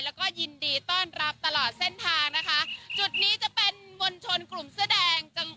แล้วก็ยินดีต้อนรับตลอดเส้นทางนะคะจุดนี้จะเป็นมวลชนกลุ่มเสื้อแดงจัง